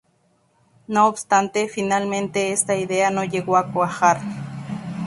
No obstante, finalmente esta idea no llegó a cuajar.